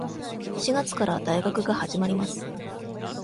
四月から大学が始まります。